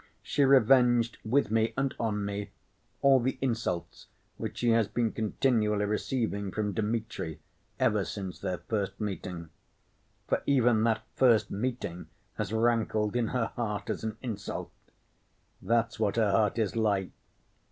She revenged with me and on me all the insults which she has been continually receiving from Dmitri ever since their first meeting. For even that first meeting has rankled in her heart as an insult—that's what her heart is like!